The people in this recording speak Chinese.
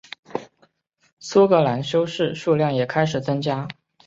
苏格兰修士数量也开始增加。